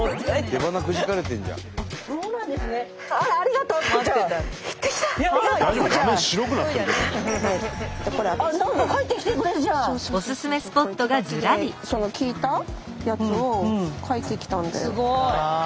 手書きで聞いたやつを書いてきたんだよ。